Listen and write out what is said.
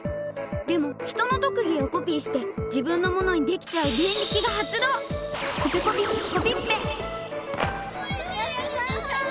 でも人のとくぎをコピーして自分のものにできちゃうデンリキがはつどう！